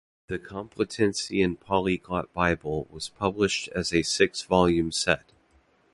The Complutensian Polyglot Bible was published as a six-volume set.